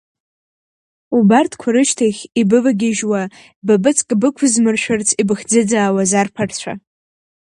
Убарҭқәа рышьҭахь, ибывагьежьуа, бабыцк бықәзмыршәырц ибыхӡыӡаауаз арԥарцәа!